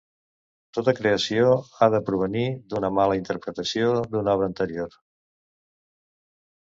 Tota creació ha de provenir d'una mala interpretació d'una obra anterior.